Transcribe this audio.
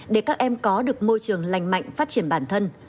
để các em có được môi trường lành mạnh phát triển bản thân